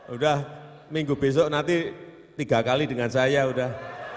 udah minggu besok nanti tiga kali dengan saya udah